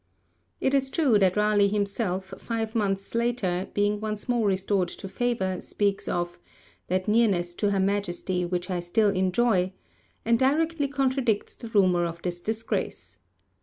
It is true that Raleigh himself, five months later, being once more restored to favour, speaks of 'that nearness to her Majesty which I still enjoy,' and directly contradicts the rumour of his disgrace.